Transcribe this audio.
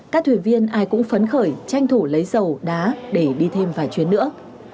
các thuyền viên ai cũng phấn khởi tranh thủ lấy dầu đá để đi thêm vài chuyến nữa